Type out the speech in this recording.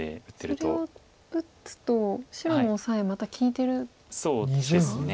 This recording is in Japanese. それを打つと白のオサエまた利いてるんですか？